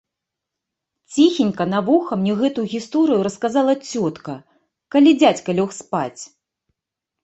Ціхенька на вуха мне гэтую гісторыю расказала цётка, калі дзядзька лёг спаць.